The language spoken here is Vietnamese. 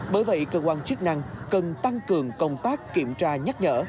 bởi vậy cơ quan chức năng cần tăng cường công tác kiểm tra nhắc nhở